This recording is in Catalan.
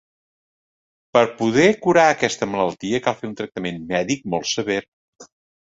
Per poder curar aquesta malaltia cal fer un tractament mèdic molt sever.